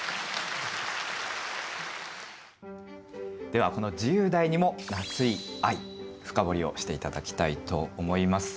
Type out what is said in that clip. ではこの自由題にも深掘りをして頂きたいと思います。